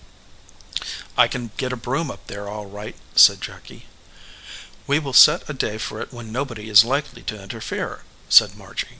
"I can get a broom up there, all right/* said Jacky. "We will set a day for it when nobody is likely to interfere," said Margy.